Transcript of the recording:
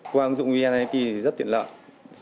qua ứng dụng vneid thì rất tiện lợi